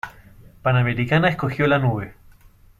Panamericana escogió la nube.